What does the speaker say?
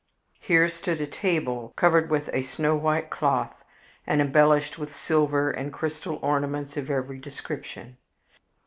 Here stood a table covered with a snow white cloth, and embellished with silver and crystal ornaments of every description.